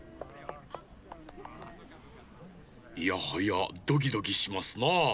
いやはやドキドキしますなあ。